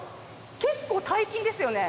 結構大金ですよね。